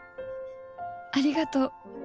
ありがとう。